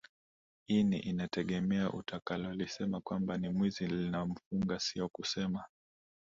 ini inatengemea utakalolisema kwamba ni mwizi linamfunga sio kusema